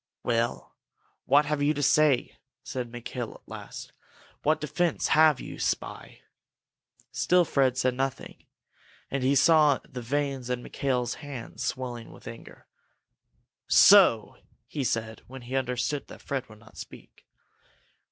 "Well, what have you to say?" said Mikail, at last. "What defence have you, spy?" Still Fred said nothing, and he saw the veins in Mikail's hands swelling with anger. "So?" he said, when he understood that Fred would not speak.